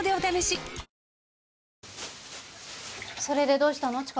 それでどうしたの？